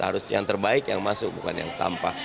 harus yang terbaik yang masuk bukan yang sampah